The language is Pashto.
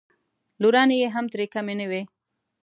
لورانې یې هم ترې کمې نه وې.